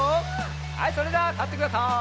はいそれではたってください。